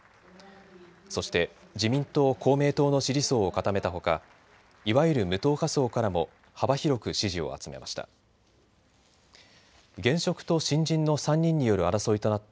そして、自民党、公明党の支持層を固めたほかいわゆる無党派層からも幅広く支持を集めました。